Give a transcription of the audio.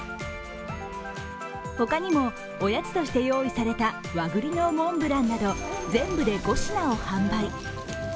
他にも、おやつとして用意された和栗のモンブランなど全部で５品を販売。